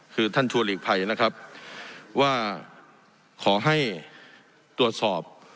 คือท่านชัวร์หลีกภัยนะครับว่าขอให้ตรวจสอบ